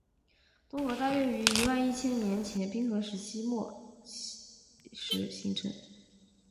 东河大约于一万一千年前冰河时期末期时形成。